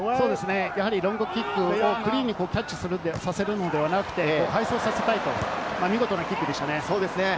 ロングキックをクリーンにキャッチさせるのではなくて、見事なキックでしたね。